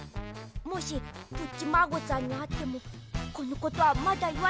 もしプッチマーゴさんにあってもこのことはまだいわないで。